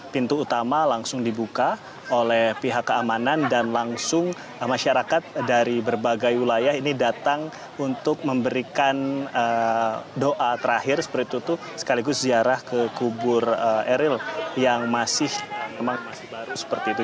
pihak keamanan dan langsung masyarakat dari berbagai wilayah ini datang untuk memberikan doa terakhir seperti itu sekaligus ziarah ke kubur eril yang masih baru seperti itu